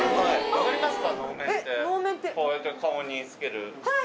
こうやって顔に着ける。